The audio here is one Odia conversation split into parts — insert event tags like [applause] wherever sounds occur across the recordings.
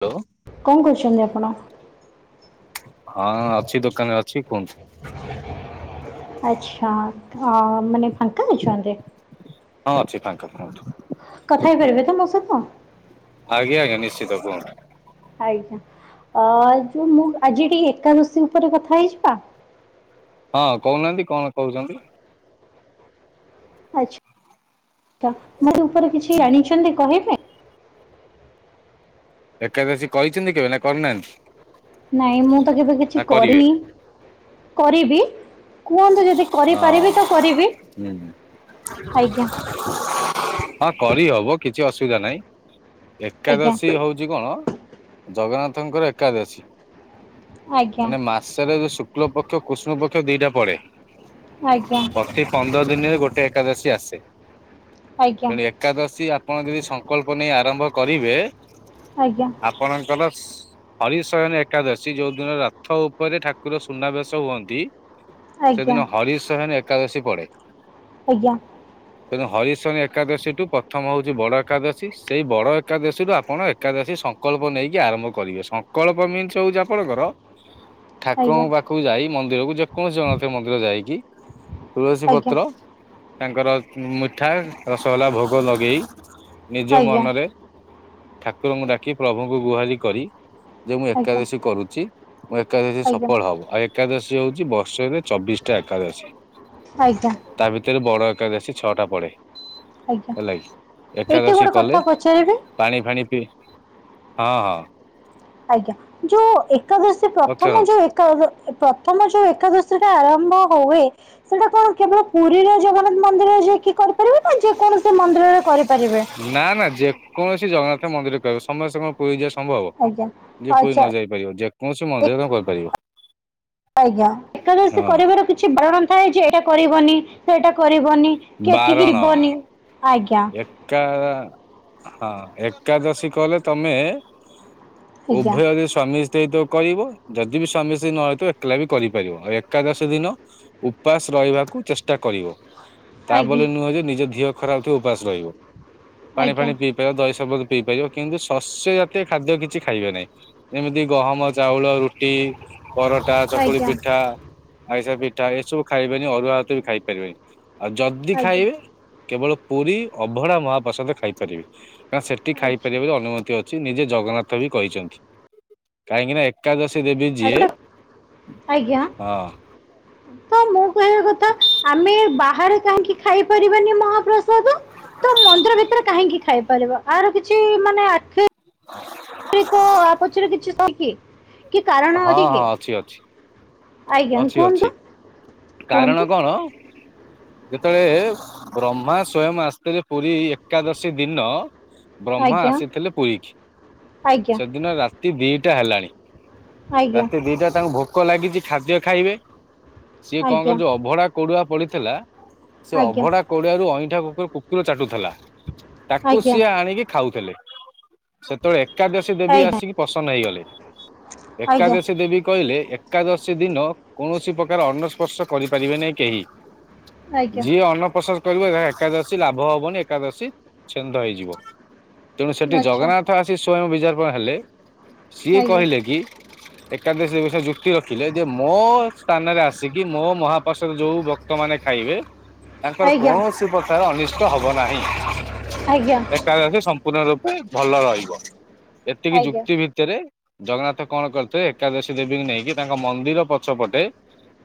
ହ୍ୟାଲୋ କଣ କରୁଛନ୍ତି ଆପଣ? ହଁ ଅଛି ଦୋକାନରେ ଅଛି କୁହନ୍ତୁ। ଆଛା ଅ ମାନେ ଫାଙ୍କ ଅଛନ୍ତି? ହଁ ଅଛି ଫାଙ୍କା କୁହନ୍ତୁ। କଥା ହେଇପାରିବେ ତ ମୋ ସହିତ? ଆଜ୍ଞା ଆଜ୍ଞା ନିଶ୍ଚିତ କୁହନ୍ତୁ। ଆଜ୍ଞା ଅ ଯୋଉ ମୁଁ ଆଜି ଟିକେ ଏକାଦଶୀ ଉପରେ କଥା ହେଇଯିବା? ହଁ କହୁନାହାନ୍ତି କଣ କହୁଛନ୍ତି। ଆଚ୍ଛା ମୋତେ ଉପରେ କିଛି ଆଣିଛନ୍ତି କହି ଏକାଦଶୀ କହିଛନ୍ତି କେବେ ନା କରୁନାହାନ୍ତି? ନାଇଁ ମୁଁ ତ କେବେ କିଛି କରିନି କରିବି କୁହନ୍ତୁ ଯଦି ହଁ କରିପାରିବି ତ କରିବି ହୁଁ। ଆଜ୍ଞା। ହଁ କରି ହବ କିଛି ଅସୁବିଧା ନାହିଁ। ଆଜ୍ଞା ଏକାଦଶୀ ହଉଛି କଣ ଜଗନ୍ନାଥଙ୍କର ଏକାଦଶୀ। ଆଜ୍ଞା ମାନେ ମାସରେ ଯୋଉ ଶୁକ୍ଳ ପକ୍ଷ କୃଷ୍ଣ ପକ୍ଷ ଦିଟା ପଡେ। ଆଜ୍ଞା। ଏ ପନ୍ଦର ଦିନରେ ଗୋଟେ ଏକାଦଶୀ ଆସେ ତେଣୁ ଆଜ୍ଞା ଏକାଦଶୀ ଆପଣ ଯଦି ସଂକଳ୍ପ ନେଇ ଆରମ୍ଭ କରିବେ ଆଜ୍ଞା। ଆପଣଙ୍କର ହରିଶୟନ ଏକାଦଶୀ ଯୋଉ ଦିନ ରଥ ଉପରେ ଠାକୁର ସୁନାବେଶ ହୁଅନ୍ତି। ଆଜ୍ଞା ସେଦିନ ହରିଶୋହନ ଏକାଦଶୀ ପଡେ। ଆଜ୍ଞା। [inaudible] [unintelligible] ତେଣୁ ହରିଶନୀ ଏକାଦଶୀଠୁ ପ୍ରଥମ ହଉଛି ବଡ଼ ଏକାଦଶୀ ସେଇ ବଡ଼ ଏକାଦଶୀରୁୁ ଆପଣ ଏକାଦଶୀ ସଂ କଳ୍ପ ନେଇକି ଆରମ୍ଭ କରିବେ ସଂକଳ୍ପ ମିନ୍ସ ହଉଛି ଆପଣଙ୍କର ଆଜ୍ଞା ଠାକୁରଙ୍କ ପାଖକୁ ଯାଇ ମନ୍ଦିରକୁ ଯେକୌଣସି ଜଗନ୍ନାଥ ମନ୍ଦିର ଯାଇକି ତୁଳସୀ ଆଜ୍ଞା ପତ୍ର ତାଙ୍କର ମିଠା ରସଗୋଲା ଭୋଗ ଲଗେଇ ନିଜ ମନରେ ଠାକୁରଙ୍କୁ ଡାକି ପ୍ରଭୁଙ୍କୁ ଗୁହାରି କରି। ଯେ ମୁଁ ଆଜ୍ଞା ଆଜ୍ଞା ଆଜ୍ଞା ଏକାଦଶୀ କରୁଛି ମୁଁ ଏକାଦଶୀ ସଫଳ ଆଜ୍ଞା ହବ ଆଉ ଏକାଦଶୀ ହଉଛି ବର୍ଷରେ ଚବିଶଟା ଏକାଦଶୀ। ଆଜ୍ଞା। ତା ଭିତରେ ବଡ ଏକାଦଶୀ ଛଅଟା ପଡେ। ଆଜ୍ଞା ହେଲାକି ଏଇଠି ଏକାଦଶୀ ଗୋଟେ କଥା କଲେ ପଚାରିବି ପାଣି ଫାଣି ପିଇ ହଁ ହଁ। ଆଜ୍ଞା ଯୋଉ ଏକାଦଶୀ ପ୍ରଥମ ପଚାରନ୍ତୁ ଯୋଉ ଏ କାଦଶ ଏ ପ୍ରଥମ ଯୋଉ ଏକାଦଶୀ ଟା ଆରମ୍ଭ ହୁଏ। ସେଇଟା କଣ କେବଳ ପୁରୀରେ ଜଗନ୍ନାଥ ମନ୍ଦିରରେ ଯାଇକି କରିପାରିବେ ନା ଯେ କୌଣସି ମନ୍ଦିରରେ କରିପାରିବେ? ନା, ନା ଯେକୌଣସି ଜଗନ୍ନାଥ ମନ୍ଦିର ରେ କରିବ, ସମସ୍ତେ କଣ ପୁରୀ ଯିବା ସମ୍ଭବ, ଆଜ୍ଞା ଯିଏ ପୁରୀ ଆଚ୍ଛା ନ ଯାଇ ପାରିବ ଯେକୌଣସି ମନ୍ଦିରରେ ଏକ- ତୋମେ କରିପାରିବ। ଆଜ୍ଞା, ଏକାଦଶୀ ହଁ କରିବାର କି ଛି ବାରଣ ଥାଏ ଯେ ଏଇଟା କରିବନି, ସେଇଟା କରିବନି, କି ଏଠିକି ବାରଣ ଯିବନି। ଆଜ୍ଞା ଏକା ହଁ ଏକାଦଶୀ କଲେ ତୋମେ ଆଜ୍ଞା ଉଭୟ ବି ସ୍ୱାମୀ ସ୍ତ୍ରୀ ତ କରିବ ଯଦି ବି ସ୍ୱାମୀ ସ୍ତ୍ରୀ ନ ହେଇଥିବ ଏକଲା ବି କରିପାରିବ। ଆଉ ଏକାଦଶୀ ଦିନ ଉପାସ ରହିବାକୁ ଚେଷ୍ଟା କରିବ। ତା ଆଜ୍ଞା ବୋଲି ନୁହଁ ଯେ ନିଜ ଧିଅ ଖରାପ ଥିବ ଉପାସ ରହିବ। ପାଣି ଆଜ୍ଞା ଫାଣି ପିଇ [inaudible] ଦହି ସର୍ବତ ପିଇପାରିବ। କିନ୍ତୁ ଶସ୍ୟ ଜାତୀୟ ଖାଦ୍ୟ କିଛି ଖାଇବେ ନାହିଁ। ଯେମିତି ଗହମ, ଚାଉଳ, ରୁଟି ପରଟା, ଚକୁଳି ଆଜ୍ଞା ପିଠା, ଆରିଷା ପିଠା ଏସବୁ ଖାଇବେନି। ଅରୁଆ ଭାତ ବି ଖାଇ ପାରିବେନି। ଆଉ ଯଦି ଆଜ୍ଞା ଖାଇବେ କେବଳ ପୁରୀ ଅଭଢା ମହାପ୍ରସାଦ ଖାଇପାରିବେ। କାରଣ ସେଟି ଖାଇପାରିବ ଆଚ୍ଛା ବୋଲି ଅନୁମତି ଅଛି ନିଜେ ଜଗନ୍ନାଥ ବି କହିଛନ୍ତି। କାହିଁକି ନା ଏକାଦଶୀ ଦେବି ଯିଏ ଆଚ୍ଛା ଆଜ୍ଞା ହଁ, ତ ମୁଁ କହିବା କଥା ଆମେ ବାହାରେ କାହିଁକି ଖାଇପାରିବାନି ମହାପ୍ରସାଦ? ତ ମନ୍ଦିର ଭିତରେ କାହିଁକି ଖାଇପାରିବ ଆର କିଛି ମାନେ ଆଖି ରେଖ ଆ ପଛରେ କିଛି [inaudible] କି? କି କାରଣ ହଁ, କି ହଁ ଅଛି ଅଛି। ଆଜ୍ଞା ଅଛି କୁହନ୍ତୁ ଅଛି କାରଣ କୁହନ୍ତୁ କଣ? ଯେତେବେଳେ ବ୍ରହ୍ମା ସ୍ଵୟଂ ଆସିଥିଲେ ପୁରୀ ଏକାଦଶୀ ଦିନ ବ୍ରହ୍ମା ଆଜ୍ଞା ଆସିଥିଲେ ପୁରୀ କି, ଆଜ୍ଞା ସେଦିନ ରାତି ଦିଟା ହେଲାଣି ଆଜ୍ଞା ରାତି ଦିଟାରେ ତାଙ୍କୁ ଭୋକ ଲାଗିଚି ଖାଦ୍ୟ ଖାଇବେ ସିଏ କଣ ଆଜ୍ଞା କଲେ ଯୋଉ ଅଭଡା କୁଡ଼ୁଆ ପଡିଥିଲା ସେ ଆଜ୍ଞା ଅଭଢା କୋଡିଆରୁ ଅଇଁଠା କୁ କୁକୁର ଚାଟୁଥିଲା। ତାକୁ ଆଜ୍ଞା ସିଏ ଆଣିକି ଖାଉଥିଲେ ସେତେବେଳେ ଏକାଦଶୀ ଦେବୀ ଆଜ୍ଞା ଆସିକି ପ୍ରସନ୍ନ ହେଇଗଲେ, ଆଜ୍ଞା ଆଜ୍ଞା ଏକାଦଶୀ ଦେବୀ କହିଲେ ଏକାଦଶୀ ଦିନ କୌଣସି ପ୍ରକାର ଅନ୍ନ ସ୍ପର୍ଶ କରିପାରିବେ ନାହିଁ କେହି। ଆଚ୍ଛା ଯିଏ ଅନ୍ନସ୍ପର୍ଶ କରିବ ଏହା ଏକାଦଶୀ ଲାଭ ହବନି ଏକାଦଶୀ ଛେନ୍ଦ ହେଇଯିବ। ତେଣୁ ସେଠି ଆଜ୍ଞା ଜଗନ୍ନାଥ ଆସି ସ୍ଵୟଂ ବିଜାର୍ପଣ ହେଲେ ସିଏ କହିଲେ କି ଏକାଦଶୀ ବିଷୟରେ ଯୁକ୍ତି ରଖିଲେ ଯେ ମୋ ମୋ ସ୍ଥାନରେ ଆସିକି ମୋ ମହାପ୍ରସାଦ ଯୋଉ ଭକ୍ତ ମାନେ ଖାଇବେ ତାଙ୍କର ଆଜ୍ଞା ଆଜ୍ଞା ଆଜ୍ଞା କୌଣସି ପ୍ରକାର ଅନିଷ୍ଟ ହବ ନାହିଁ। ଆଜ୍ଞା। ଏକାଦଶୀ ସମ୍ପୂର୍ଣ୍ଣ ରୂପେ ଭଲ ରହିବ। ଏତିକି ଯୁକ୍ତି ଭି ତରେ ଜଗନ୍ନାଥ କଣ କରିଥିଏ ଏକାଦଶୀ ଦେବୀଙ୍କୁ ନେଇକି ତାଙ୍କ ମନ୍ଦିର ପଛ ପଟେ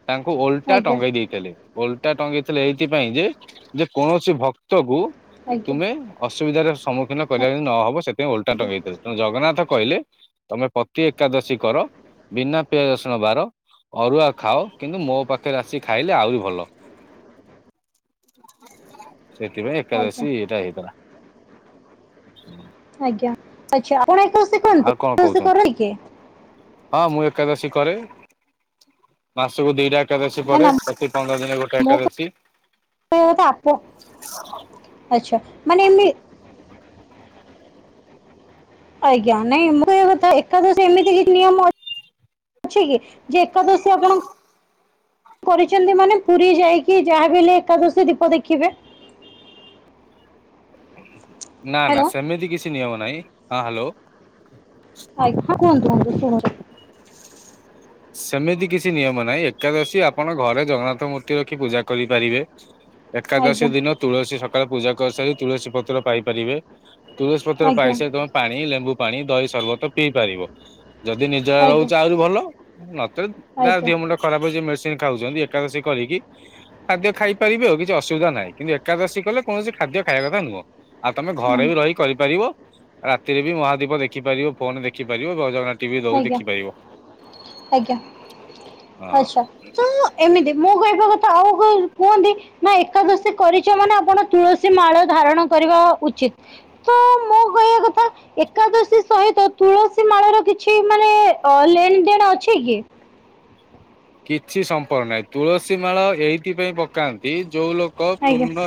ତାଙ୍କୁ ଓଲଟା ଆଜ୍ଞା ଟଙ୍ଗେଇ ଦେଇଥିଲେ। ଓଲଟା ଟଙ୍ଗେଇ ଥିଲେ ଏଇଥିପାଇଁ ଯେ ଯେ କୌଣସି ଭକ୍ତକୁ ଆଜ୍ଞା ତୁମେ ଅସୁବିଧାର ସମ୍ମୁଖୀନ କରିବା ଯେମିତି ନ ହବ ସେଥିପାଇଁ ଓଲଟା ଟଙ୍ଗେଇ ଥିଲେ। ତେଣୁ ଜଗନ୍ନାଥ କହିଲେ ତୋମେ ପତି ଏକାଦଶୀ କର ବିନା ପିଆଜ ରସୁଣ ବାର ଅରୁଆ ଖାଅ କିନ୍ତୁ ମୋ ପାଖରେ ଆସିି ଖାଇଲେ ଆଉରି ଭଲ। [inaudible] ସେଥିପାଇଁ ଆଜ୍ଞା ଆଜ୍ଞା ଏକାଦଶୀ ଇଏଟା ହେଇଥିଲା। ଆଜ୍ଞା, ଆଚ୍ଛା, ଆପଣ ଏକାଦଶୀ ଆଉ କରନ୍ତି? କଣ ଏକାଦଶୀ କହୁଛନ୍ତି କରୁଣି କିଏ? ହଁ, ମୁଁ ଏକାଦଶୀ କରେ, ମାସକୁ ଦିଟା ଏକାଦଶୀ ନା ପଡେ ନା ପ୍ରତି ପନ୍ଦର ଦିନେ ଗୋଟେ ଏକାଦଶୀ। ତ ଏ ଆପ ଆଚ୍ଛା ମାନେ ଏମି ଆଜ୍ଞା ନାଇଁ ମୁଁ କଇବା କଥା ଏକାଦସି ଏମିତି କିଛି ନିୟମ ଅଛି କି ଯେ ଏକାଦଶି ଆପଣ କରିଚନ୍ତି ମାନେ ପୁରୀ ଯାଇକି ଯାହା ବି ହେଲେ ଏକାଦଶୀ ଦୀପ ଦେଖିବେ। ନା ନା ହ୍ୟାଲୋ ସେମିତି କିଛି ନିୟମ ନାଇଁ ହଁ ହାଲୋ। ହଁ କୁହନ୍ତୁ କୁହନ୍ତୁ ଶୁଣୁଚି। ସେମିତି କିଛି ନିୟମ ନାଇଁ ଏକାଦଶୀ ଆପଣ ଘରେ ଜଗନ୍ନାଥ ମୂର୍ତ୍ତି ରଖି ପୂଜା କରିପାରିବେ। ଏକାଦଶୀ ଆଜ୍ଞା ଦିନ ତୁଳସୀ ସକାଳ ପୂଜା କରିସାରିକି ତୁଳସୀ ପତ୍ର ପାଇପାରିବେ। ତୁଳସୀ ପତ୍ର ଆଜ୍ଞା ପାଇ ସାଇ ତମେ ପାଣି ଲେମ୍ବୁ ପାଣି ଦହି ସରବତ ପିଇ ପାରିବ। ଯଦି ନିଜଳା ଆଜ୍ଞା ରହୁଚ ଆଉରି ଭଲ ନଚେତ ତା ଆଜ୍ଞା ଦିଅ ମୁଣ୍ଡ ଖରାପ ଅଛି ମେଡିସିନ ଖାଉଛନ୍ତି ଏକାଦଶୀ କରିକି ଖାଦ୍ୟ ଖାଇ ପାରିବେ କିଛି ଅସୁବିଧା ନାହିଁ ଏକାଦଶୀ କଲେ କୌଣସି ଖାଦ୍ୟ ଖାଇବା କଥା ନୁହଁ। ଆଉ ତମେ ଘରେ ହୁଁ ବି ରହି କରିପାରିବ ରାତିରେ ବି ମହାଦୀପ ଦେଖିପାରିବ ଫୋନ ଦେଖିପାରିବ ଜୟ ଜଗନ୍ନାଥ ଟିଭି ଦଉଚି ଆଜ୍ଞା ଦେଖିପାରିବ। ଆଜ୍ଞା ହଁ। ଆଛା ତୁଁ ଅ ଏମିତି ମୁଁ କଇବା କଥା ଆଉ କୁହନ୍ତି ନା ଏକାଦଶୀ କରିଛ ମାନେ ଆପଣ ତୁଳସୀ ମାଳ ଧାରଣ କରିବା ଉଚିତ୍। ତ ମୋ କଇବା କଥା ଏକାଦଶୀ ସହିତ ତୁଳସୀ ମାଳ ର କି ଛି ମାନେ ଅ ଲେନ ଦେଣ ଅଛି କି? କିଛି ସମ୍ପର୍କ ନାଇଁ ତୁଳସୀ ମାଳ ଏଇଥିପାଇଁ ପକାନ୍ତି ଯୋଉ ଲୋ ତ ଆଜ୍ଞା ପୂର୍ଣ୍ଣ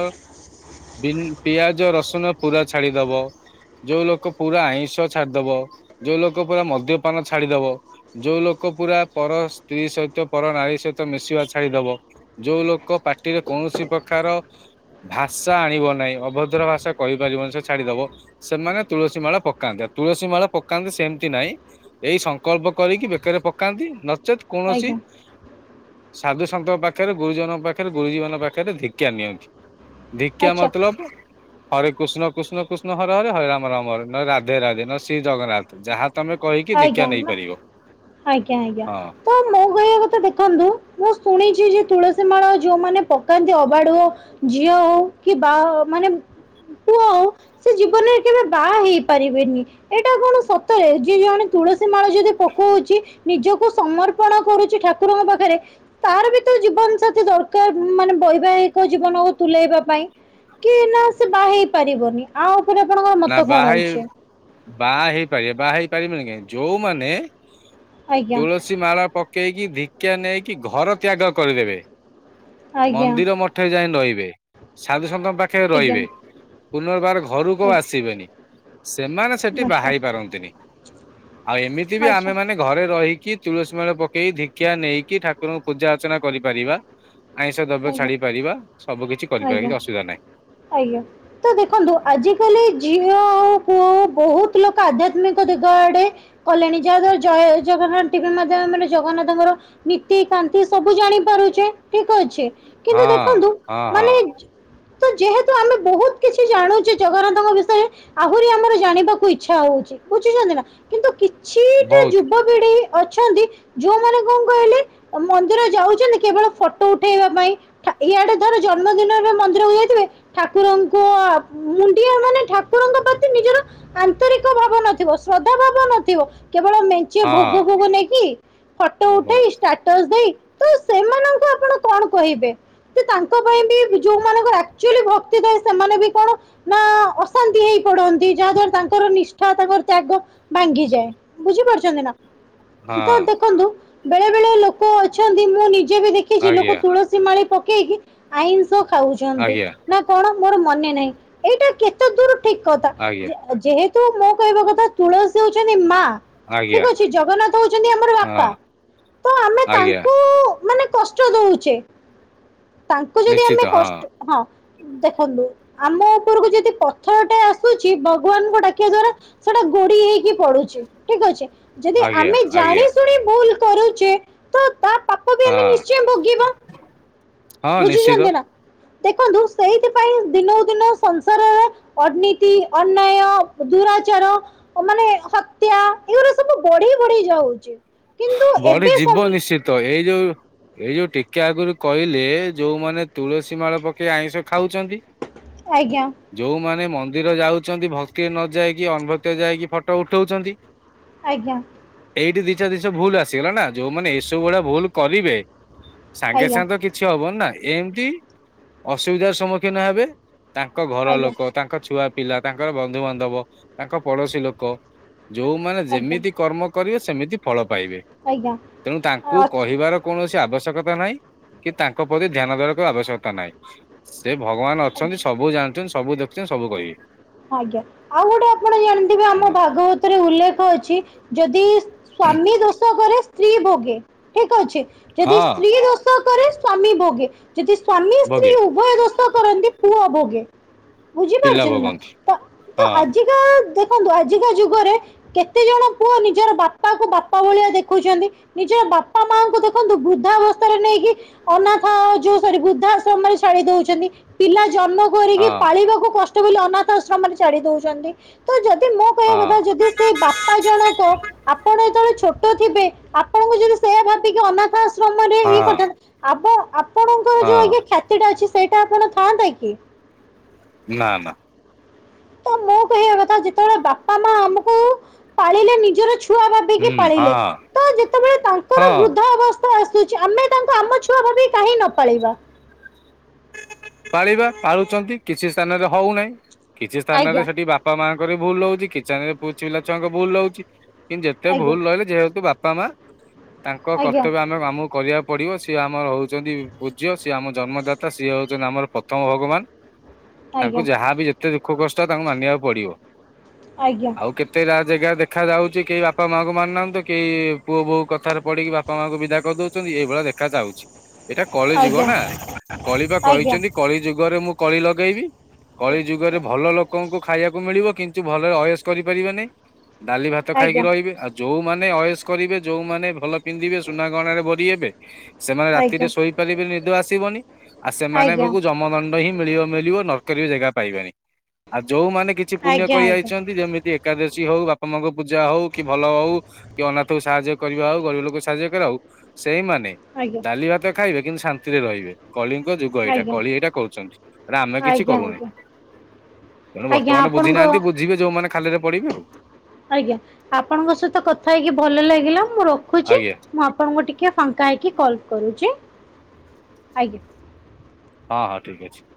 ପିଆଜ ରସୁଣ ପୁରା ଛାଡିଦବ। ଯୋଉ ଲୋକ ପୁରା ଆଇଁଷ ଛାଡିଦବ ଯୋଉ ଲୋକ ପୁରା ମଦ୍ୟପାନ ଛାଡିଦବ। ଯୋଉ ଲୋକ ପୁରା ପର ସ୍ତ୍ରୀ ସଇ ତ ପର ନାରୀ ସହିତ ମିଶିବା ଛାଡିଦବ ଯୋଉ ଲୋକ ପାଟିରେ କୌଣସି ପ୍ରକାର ଭାଷା ଆଣିବ ନାହିଁ ଅଭଦ୍ର ଭାଷା କହିପାରିବନି ସେ ଛାଡିଦବ। ସେମାନେ ତୁଳସୀ ମାଳ ପକାନ୍ତେ ଆଉ ତୁଳସୀ ମାଳ ପକାନ୍ତେ ସେମତି ନାଇଁ। ଏଇ ସଂକଳ୍ପ କରିକି ବେକରେ ପକାନ୍ତି ନଚେତ୍ କୌଣସି ଆଜ୍ଞା ସାଧୁ ସନ୍ତଙ୍କ ପାଖରେ ଗୁରୁଜନଙ୍କ ପାଖରେ ଗୁରୁଜୀ ମାନ ଙ୍କ ପାଖରେ ଧିକ୍ଷା ନିଅନ୍ତି। ଧିଖ୍ୟା ଆଚ୍ଛା ମତଲବ ହରେ କୃଷ୍ଣ କୃଷ୍ଣ କୃଷ୍ଣ ହରେ ହରେ ହରେ ରାମ ରାମ ହରେ ନ ରାଧେ ରାଧେ ନ ଶ୍ରୀ ଜଗନ୍ନାଥ ଯାହା ତମେ କହିକି ଦୀକ୍ଷା ଆଜ୍ଞା ନେଇପାରିବ ଆଜ୍ଞା ଆଜ୍ଞା ହଁ। ମୋ କହିବା ତ ଦେଖନ୍ତୁ ମୁଁ ଶୁଣିଛି ଯେ ତୁଳସୀ ମାଳ ଯୋଉମାନେ ପକାନ୍ତି ଅବାଡୁଅ ଝିଅ ହଉ କି ବାହା ମାନେ ପୁଅ ହଉ ସେ ଜୀବନରେ କେବେ ବାହା ହେଇପାରିବେନି ଏଇଟା କଣ ସତରେ କିଏ ଜଣେ ତୁଳସୀ ମାଳ ଯଦି ପକଉଚି ନିଜକୁ ସମର୍ପଣ କରୁଚି ଠାକୁରଙ୍କ ପାଖରେ। ତାର ବି ତ ଜୀବନ ସାଥି ଦରକାର ମାନେ ବୈବାହିକ ଜୀବନକୁ ତୁଲେଇବା ପାଇଁ। କି ନା ସେ ବାଆ ହେଇ ପାରିବନି ଆ ଉପରେ ଆପଣଙ୍କର ନା ମତ ବାହା କଣ ହେଇ ଅଛି? ବାହା ହେଇପାରିବ ବାହା ହେଇପାରିବନି କାଇଁକି ଯୋଉମାନେ ଆଜ୍ଞା ତୁଳସି ସି ମାଳା ପକେଇକି ଧିକ୍ଷା ନେଇକି ଘର ତ୍ୟାଗ କରିଦେବେ। ଆଜ୍ଞା ମନ୍ଦିର ମଠରେ ଯାଇ ରହିବେ ସାଧୁସନ୍ତଙ୍କ ପାଖରେ ଆଜ୍ଞା ରହିବେ। ପୁନର୍ବାର ଘରୁ କଉ ଆସ ଆଜ୍ଞା ତିବେନି ସେମାନେ ସେଠି ଆଚ୍ଛା ବାହାହେଇ ପାରନ୍ତିନି ଆଉ ଏମିତି ବି ଆଚ୍ଛା ଆମେମାନେ ଘରେ ରହିକି ତୁଳସୀ ମାଳ ପକେଇ ଧିଖ୍ୟା ନେଇକି ଠାକୁରଙ୍କୁ ପୂଜା ଅର୍ଚ୍ଚନା କରିପାରିବା। ଆଇଁଷ ଦ୍ରବ୍ୟ ଆଜ୍ଞା ଛାଡି ପାରିବା ସବୁ କିଛି କରିପାରିବା ଆଜ୍ଞା କିଛି ଅସୁବିଧା ନାହିଁ। ଆଜ୍ଞା ତ ଦେଖନ୍ତୁ ହଁ ଆଜି କାଲି ଝିଅ ହେଉ ପୁଅହେଉ ବହୁତ ଲୋକ ଆଧ୍ୟାତ୍ମିକ ଦିଗ ଆଡେ କଲେଣି ଯାହା ଦ୍ଵାରା ଜୟ ଜଗନ୍ନାଥ ଟିଭି ମାଧ୍ୟମରେ ଜଗନ୍ନାଥଙ୍କର ନୀତିକାାନ୍ତି ସବୁ ଜାଣିପାରୁଛେ ଠିକ ଅଛି କିନ୍ତୁ ଦେଖନ୍ତୁ ହଁ ହଁ ମାନେ ତ ଯେହେତୁ ଆମେ ବହୁତ କିଛି ଜାଣୁଚି ଜଗନ୍ନାଥଙ୍କ ବିଷୟରେ ଆହୁରି ଆମର ଜାଣିବାକୁ ଇଚ୍ଛା ହଉଚି ବୁଝିଛନ୍ତି ନା କିନ୍ତୁ କିଛିଟା ବହୁତ ଯୁ [unintelligible] ବି ଅଛନ୍ତି ଯୋଉମାନେ କଣ କହିଲେ ମନ୍ଦିର ଯାଉଛନ୍ତି କେବଳ ଫଟୋ ଉଠେଇବା ପାଇଁ ଠା ଇଆଡେ ଜନ୍ମଦିନରେ ମନ୍ଦିରକୁ ଯାଇଥିବେ ଠାକୁରଙ୍କ ମୁଣ୍ଡିଆ ମାନେ ଠାକୁରଙ୍କ ପ୍ରତି ନିଜର ଆନ୍ତରିକ ଭାବ ନଥିବ ଶ୍ରଦ୍ଧା ଭାବ ନଥିବ କେବଳ ମେ ଞ୍ଚେ ଭୋଗ ହଁ ଭୋଗ ନେଇକି ଫଟୋ ହଁ ଉଠେଇ ଷ୍ଟା ଟସ ଦେଇ ତ ସେମାନଙ୍କୁ ଆପଣ କଣ କହିବେ ଯେ ତା ଙ୍କ ପାଇଁ ବି ଯୋଉ ମାନଙ୍କର ଆକଚୁଆଲି ଭକ୍ତି ଦଏ ସେମାନେ ବି କଣ ନା ଅଶାନ୍ତି ହେଇ ପଡନ୍ତି ଯାହା ଦ୍ଵାରା ତାଙ୍କର ନିଷ୍ଠା ତାଙ୍କର ତ୍ୟାଗ ଭାଙ୍ଗିଯାଏ। ବୁଝି ପାରୁଛନ୍ତି ନା? ତ ଦେଖନ୍ତୁ ବେଳେ ବେଳେ ଲୋକ ଅଛନ୍ତି ମୁଁ ନିଜେ ବି ଦେଖିଛି ଲୋକ ଆଜ୍ଞା ତୁଳସୀ ମାଳି ପକେଇକି ଆଇଁଷ ଖାଉଛନ୍ତି। ଆଜ୍ଞା ନା କଣ ମୋର ମନେ ନାହିଁ ଏଇଟା କେତେ ଦୂର ଠିକ କଥା। ଆଜ୍ଞା ଯେ ଯେହେତୁ ମୋ କହିବା କଥା ତୁଳସୀ ହଉଛନ୍ତି ମା ଆଜ୍ଞା ଠିକ ଅଛି ଜଗନ୍ନାଥ ହଉଛନ୍ତି ଆମର ବାପା ହଁ ତ ଆମେ ଆଜ୍ଞା ତାଙ୍କୁ ମାନେ କଷ୍ଟ ଦଉଛେ ତାଙ୍କୁ ଯଦି ନିଶ୍ଚିତ ଆମେ ହଁ କଷ୍ଟ ହଁ ଦେଖନ୍ତୁ ଆମ ଉପରକୁ ଯଦି ପଥର ଟେ ଆସୁଛି ଭଗବାନଙ୍କୁ ଡାକିବା ଦ୍ଵାରା ସେଟା ଗୋଡି ହେଇକି ପଡୁଛି ଠିକ ଅଛି ଯଦି ଆଜ୍ଞା ଆମେ ଆଜ୍ଞା ଜାଣି ଶୁଣି ଭୁଲ କରୁଛେ ତ ତା ପାପ ବି ଆମେ ହଁ ନିଶ୍ଚୟ ଭୋଗିବ। ହଁ ନିଶ୍ଚିତ ବୁଝିଛନ୍ତି ନା ଦେଖନ୍ତୁ ସେଇଥିପାଇଁ ଦିନକୁ ଦିନ ସଂସାରର ଅର୍ନତି ଅନ୍ୟାୟ ଦୁରାଚାର ଓ ମାନେ ହତ୍ୟା ଏଗୁଡା ସବୁ ବଢି ବଢି ଯାଉଛି। କିନ୍ତୁ ବଢି ଏବେ ସମ ଯିବ ନିଶ୍ଚିତ ଏଇ ଯୋଉ ଏଇ ଯୋଉ ଟିକେ ଆଗରୁ କହିଲେ ଯୋଉମାନେ ତୁଳସୀ ମାଳ ପକେଇ ଆଇଁଷ ଖାଉଛନ୍ତି। ଆଜ୍ଞା। ଯୋଉମାନେ ମନ୍ଦିର ଯାଉଛନ୍ତି ଭକ୍ତି ନ ଯାଇକି ଅନଭକ୍ ଯାଇକି ଫଟୋ ଉଠଉଛନ୍ତି। ଆଜ୍ଞା। ଏଇଠି ଦିଶା ଦିଶା ଭୁଲ ଆସିଗଲା ନା ଯୋଉମାନେ ଏଇସବୁ ଭୁଡଆ ଭୁଲ କରିବେ ସାଙ୍ଗେ ଆଜ୍ଞା ସାଙ୍ଗେ ତ କିଛି ହବନି ନା ଏମିତି ଅସୁବିଧାର ସମ୍ମୁଖୀନ ହେବେ। ତାଙ୍କ ଘର ଆଜ୍ଞା ଲୋକ ତାଙ୍କ ଛୁଆ ପିଲା ତାଙ୍କର ବନ୍ଧୁବାନ୍ଧବ ତାଙ୍କ ପଡୋଶୀ ଲୋକ ଯୋଉମାନେ ଆଜ୍ଞା ଯେମିତି କର୍ମ କରିବେ ସେମିତି ଫଳ ପାଇବେ ଆଜ୍ଞା ତେଣୁ ତାଙ୍କୁ ଆଚ୍ଛା କହିବାର କୌଣସି ଆବଶ୍ୟକତା ନାହିଁ କି ତାଙ୍କ ପ୍ରତି ଧ୍ୟାନ ଦେବାକୁ ଆବଶ୍ୟକତା ନାହିଁ। ସେ ଭଗବାନ ଆଚ୍ଛା ଅଛନ୍ତି ସବୁ ଜାଣିଛନ୍ତି ସବୁ ଦେଖୁଛନ୍ତି ସବୁ କହିବି। ଆଜ୍ଞା ଆଉ ଗୋଟେ ଆପଣ ଜାଣିଥିବେ ଆମ ହଁ ଭାଗବତ ଉଲ୍ଲେଖ ଅଛି ଯଦି ସ୍ଵାମୀ ଦୋଷ କରେ ସ୍ତ୍ରୀ ଭୋଗେ ଠିକ ଅଛି। ଯଦି ହଁ ସ୍ତ୍ରୀ ଦୋଷ କରେ ସ୍ଵାମୀ ଭୋଗେ ଯଦି ସ୍ଵାମୀ ସ୍ତ୍ରୀ ଭୋଗେ ଉଭୟ ଦୋଷ କରନ୍ତି ପୁଅ ଭୋଗେ ପିଲା ବୁଝିପାରୁଛନ୍ତି ନା ଭୋଗନ୍ତି ତ ହଁ ଆଜି [unintelligible] ଦେଖନ୍ତୁ ଆଜିକା ଯୁଗରେ କେତେ ଜଣ ପୁଅ ନିଜର ବାପାକୁ ବାପା ଭଳିଆ ଦେଖୁଛନ୍ତି? ନିଜ ବାପା ମାଆଙ୍କୁ ଦେଖନ୍ତୁ ବୃଦ୍ଧାବସ୍ଥାରେ ନେଇକି ଅନାଥ ଯୋଉ ସରି ବୃଦ୍ଧାଶ୍ରମରେ ଛାଡି ଦଉଛନ୍ତି ପିଲା ଜନ୍ମ ହଁ କରିକି ପାଳିବାକୁ କଷ୍ଟ ବୋଲି ଅନାଥ ଆଶ୍ରମ ମାନ ଛାଡି ଦଉଛନ୍ତି ତ ଯଦି ମୁଁ କହିବା ହଁ କଥା ଯଦି ସେଇ ବା ପା ଜଣକ ଆପଣ ଯେତଳେ ଛୋଟ ଥିବେ ଆପଣଙ୍କୁ ଯଦି ସେଇଆ ଭାବିକି ଅନାଥ ଆ ଶ୍ରମଟା ଇଏ ହଁ କରିଛନ୍ତି ଆପ ଆପଣଙ୍କର ହଁ ଯୋଉ ଖ୍ୟାତି ଟା ଅଛି ସେଇଟା ଆପଣ ଥାଆନ୍ତା କି? ନାଁ ନାଁ। ତ ମୁଁ କହିବା କଥା ଯେତେବେଳେ ବାପା ମା ଆମକୁ ପାଳିଲେ ନିଜର ଛୁ ଛୁଆ ହୁଁ ଭାବିକି ପାଳିଲେ ହଁ ତ ଯେତେବେଳେ ତାଙ୍କର ହଁ ବୃଦ୍ଧ ଅବସ୍ ସ୍ଥା ଆସୁଛି ଆମେ ତାଙ୍କୁ ଆମ ଛୁଆ ଭାବିକି କାହିଁ ନ ପାଳିବା? ପାଳିବା ପାଳୁଛନ୍ତି କିଛି ସ୍ଥାନରେ ହଉନେଇଁ କିଛି ସ୍ଥାନରେ ଆଜ୍ଞା ସେଠି ବାପା ବାପା ମାଆଙ୍କର ବି ଭୁଲ ରହୁଛି କିଚେନ୍ ରେ ପୁ ପିଲା ଛୁଆଙ୍କ ଭୁଲ ହଉଛି କିନ୍ତୁ ଯେତେ ଆଜ୍ଞା ଭଲ ରହିଲେ ଯେହେତୁ ବାପା ବାପା ମା ତାଙ୍କ ଆଜ୍ଞା କର୍ତ୍ତବ୍ୟ ଆମେ ଆମକୁ କରିବାକୁ ପଡିବ ସିଏ ଆମର ହଉଛନ୍ତି ପୂଜ୍ୟ ସିଏ ଆମ ଜନ୍ମଦାତା ସିଏ ହଉଛନ୍ତି ଆମର ପ୍ରଥମ ଭଗବାନ ତାଙ୍କୁ ଆଜ୍ଞା ଯାହାବି ଯେ କେତେ ଦୁଃଖ କଷ୍ଟ ତାଙ୍କୁ ମାନିବାକୁ ପଡିବ ଆଜ୍ଞା ଆଉ କେତେ ଏତେ ରା ଜାଗା ଦେଖା ଯାଉଛି କେହି ବାପା ମାଆଙ୍କୁ ମାନୁନାହାନ୍ତିୁ କେହି ପୁଅ ବୋଉ କଥାରେ ପଡିକି ବାପା ବାପା ମାଆଙ୍କୁ ବିଦା କରିଦଉଛନ୍ତି ଏଇଭଳିଆ ଦେଖା ଯାଉଛି, ଏଇଟା କଳି ଯୁଗ ଆଜ୍ଞା ନା। କଳି ପା ଆଜ୍ଞା କହିଛନ୍ତି କଳି ଯୁଗରେ ମୁଁ କଳି ଲଗେଇବି କଳି ଯୁଗରେ ଭଲ ଲୋକଙ୍କୁ ଖାଇବାକୁ ମିଳିବ କିନ୍ତୁ ଭଲରେ ଅୟସ କରିପାରିବେ ନେଇଁ ଡାଲି ଭାତ ଖାଇକି ଆଜ୍ଞା ରହିବେ ଆଉ ଯୋଉମାନେ ଅୟସ କରିବେ ଯୋଉମାନେ ଭଲ ପିନ୍ଧିବେ ସୁନା ଗହଣାରେ ଭରି ହେବେ ସେମାନେ ରାତିରେ ଆଜ୍ଞା ଶୋଇପାରିବେନି ନିଦ ଆସିବନି ଆଉ ସେମାନେ ବେ ଆଜ୍ଞା କୁ ଜମ ଜମ ଦଣ୍ଡ ହିଁ ମିଳିବ ମିଳିବ ନର୍କରେ ବି ଜେଗା ପାଇବେନି ଆଉ ଯୋଉମାନେ କିଛି ପୁଣ୍ୟ ଆଜ୍ଞା ଆଜ୍ଞା ଆଜ୍ଞା ଆଜ୍ଞା କଇଆଇଚନ୍ତି ଯେମିତି ଏକାଦଶୀ ହଉ ବାପା ମାଙ୍କ ପୂଜା ହଉ କି ଭଲ ହଉ କି ଅନାଥ କୁ ସାହାଯ୍ୟ କରିବା ହଉ, ଗରିବ ଲୋକ ସାହାଯ୍ୟ କରିବା ହଉ, ସେଇମାନେ ଡାଲି ଭାତ ଖାଇବେ କିନ୍ତୁ ଶାନ୍ତିରେ ରହିବେ। କଳିଙ୍କ ଯୁଗ ଏଇଟା ଆଜ୍ଞା କଳି ଏଇଟା କରୁଛନ୍ତି ହେଟା ଆମେ କିଛି କରୁନେ। ଆଜ୍ଞା ତେଣୁ ଆଜ୍ଞା ବର୍ତ୍ତମାନ ବୁଝି ଆପଣଙ୍କ ନାହାନ୍ତି ବୁଝିବେ ଯୋଉମାନେ ଖାଲରେ ପଡିବେ ଆଉ। ଆଜ୍ଞା ଆପଣଙ୍କ ସହିତ କଥା ହେଇକି ଭଲ ଲାଗିଲା ମୁଁ ରଖୁଛି ଆଜ୍ଞା ମୁଁ ଆପଣଙ୍କୁ ଟିକେ ଫାଙ୍କା ହେଇକି କଲ କରୁଛି, ଆଜ୍ଞା। ହଁ ହଁ ଠିକ୍ ଅଛି।